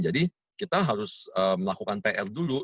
jadi kita harus melakukan pr dulu